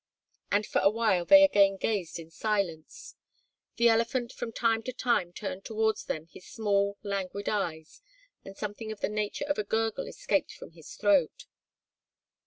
And for a while they again gazed in silence. The elephant from time to time turned towards them his small, languid eyes and something in the nature of a gurgle escaped from his throat.